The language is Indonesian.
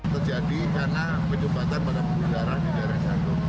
terjadi karena penyumbatan pada pembuluh darah di daerah satu